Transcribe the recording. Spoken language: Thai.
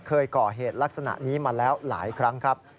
เคยก่อเหตุลักษณะนี้มาแล้วหลายครั้งครับ